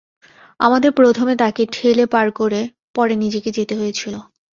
আমাদের প্রথমে তাকে ঠেলে পার করে পরে নিজেকে যেতে হয়েছিল।